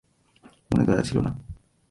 মনে দয়া ছিল না।